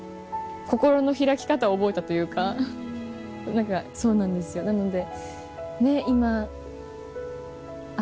何かそうなんですよなので。